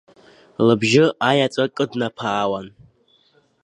Лыбжьы аеҵәа кыднаԥаауан.